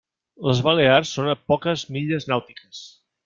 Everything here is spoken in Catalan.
Les Balears són a poques milles nàutiques.